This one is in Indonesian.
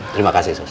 terima kasih sos